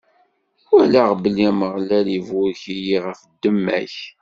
Walaɣ belli Ameɣlal iburek-iyi ɣef ddemma-k.